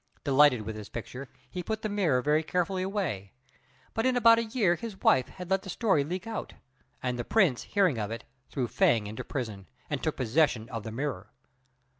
Delighted with this picture, he put the mirror very carefully away; but in about a year his wife had let the story leak out, and the Prince, hearing of it, threw Fêng into prison, and took possession of the mirror.